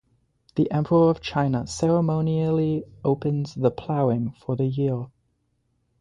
The emperor of China ceremonially opens the ploughing for the year.